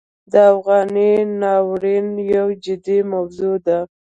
د افغانۍ ناورین یو جدي موضوع ده.